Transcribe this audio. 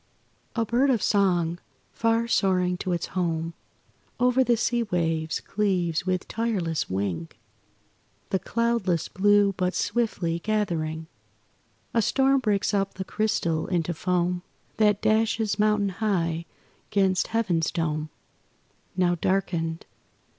A bird of song, far soaring to its home, Over the sea waves cleaves with tireless wing The cloudless blue; but, swiftly gathering, A storm breaks up the crystal into foam That dashes mountain high 'gainst Heaven's dome Now darkened.